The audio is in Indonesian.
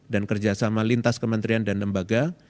dan kerjasama lintas kementerian dan lembaga